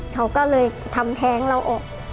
เขาก็เลยทำแท้งเราออก